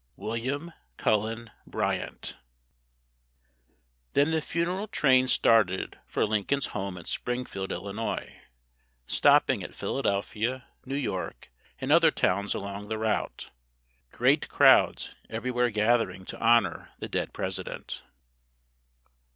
WILLIAM CULLEN BRYANT. Then the funeral train started for Lincoln's home at Springfield, Ill., stopping at Philadelphia, New York, and other towns along the route, great crowds everywhere gathering to honor the dead President.